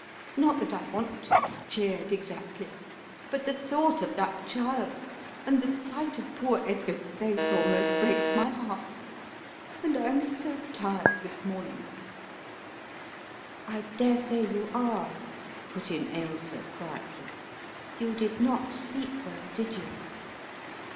Not that I want to be cheered exactly, but the thought of that child and the sight of poor Edgar's face almost breaks my heart. And I am so tired this morning " "I daresay you are/* put in Ailsa, quietly. "You did not sleep well, did you?"